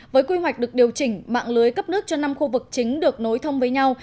với quy hoạch được điều chỉnh mạng lưới cấp nước cho năm khu vực chính được nối thông với nhau